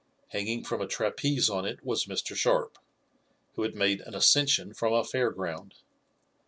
Hanging from a trapeze on it was Mr. Sharp, who had made an ascension from a fair ground.